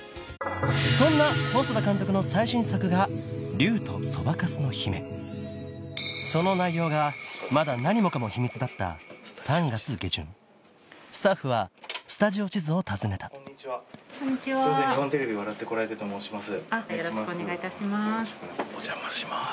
そんな細田監督の最新作がその内容がまだ何もかも秘密だった３月下旬スタッフはスタジオ地図を訪ねた日本テレビ『笑ってコラえて！』と申します。